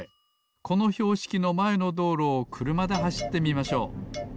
このひょうしきのまえのどうろをくるまではしってみましょう。